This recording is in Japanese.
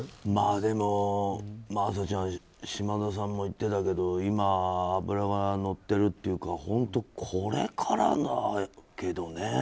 真麻ちゃん島田さんも言ってたけど今、脂がのってるというか本当、これからだけどね。